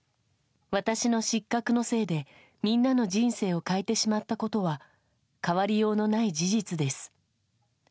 私の失格のせいで、みんなの人生を変えてしまったことは、変わりようのない事実です。